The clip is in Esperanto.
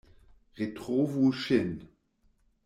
Retrovu ŝin!